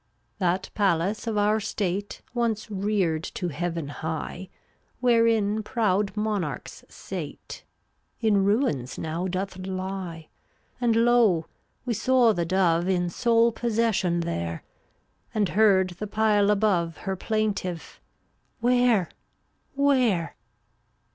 364 That palace of our state, Once reared to heaven high, Wherein proud monarchs sate, In ruins now doth lie. And lo! we saw the dove In sole possession there, And heard the pile above Her plaintive, "Where? Where?"